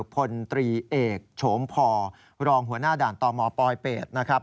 พลตรีเอกโฉมพอรองหัวหน้าด่านตมปลอยเป็ดนะครับ